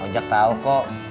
ojak tau kok